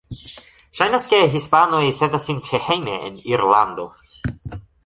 Ŝajnas, ke hispanoj sentas sin ĉehejme en Irlando.